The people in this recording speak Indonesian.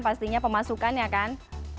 pastinya pemasukannya kan